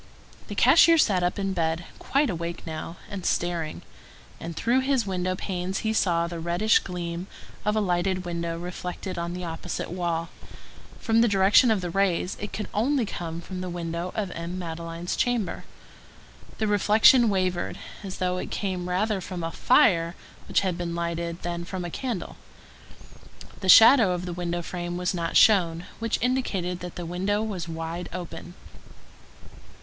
The cashier sat up in bed, quite awake now, and staring; and through his window panes he saw the reddish gleam of a lighted window reflected on the opposite wall; from the direction of the rays, it could only come from the window of M. Madeleine's chamber. The reflection wavered, as though it came rather from a fire which had been lighted than from a candle. The shadow of the window frame was not shown, which indicated that the window was wide open.